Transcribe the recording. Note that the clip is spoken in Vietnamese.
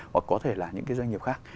hoặc có thể là những cái doanh nghiệp khác